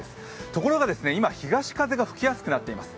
ところが、今、東風が吹きやすくなっています。